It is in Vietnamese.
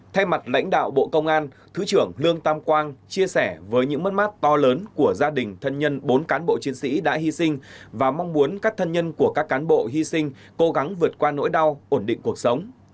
thay mặt lãnh đạo bộ công an thứ trưởng lương tam quang chia sẻ với những mất mát to lớn của gia đình thân nhân bốn cán bộ chiến sĩ đã hy sinh và mong muốn các thân nhân của các cán bộ hy sinh cố gắng vượt qua nỗi đau ổn định cuộc sống